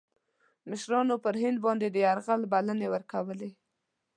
مشـرانو پر هند باندي د یرغل بلني ورکولې.